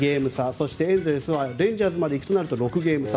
そして、エンゼルスはレンジャーズまで行くとなると６ゲーム差。